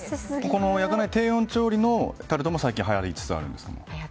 焼かない低温調理のタルトも最近はやりつつあるんですか？